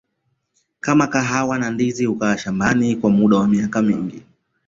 kama kahawa na ndizi hukaa shambani kwa muda wa miaka mingi